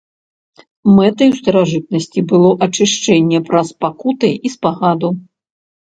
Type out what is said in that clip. Мэтай у старажытнасці было ачышчэнне праз пакуты і спагаду.